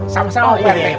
sama sama pak rt